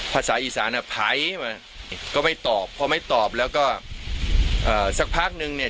ภาษาอีสานอ่ะไผ่มาก็ไม่ตอบพอไม่ตอบแล้วก็เอ่อสักพักนึงเนี่ย